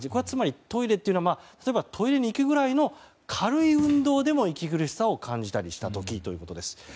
つまりトイレというのは例えばトイレに行くぐらいの軽い運動でも、息苦しさを感じたりした時ということです。